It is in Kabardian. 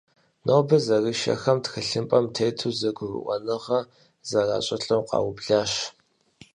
Нобэ зэрышэхэм тхылъымпӏэм тету зэгурыӏуэныгъэ зэращӏылӏэу къаублащ.